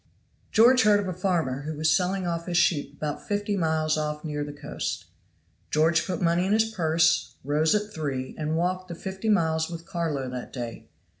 GEORGE heard of a farmer who was selling off his sheep about fifty miles off near the coast. George put money in his purse, rose at three, and walked the fifty miles with Carlo that day.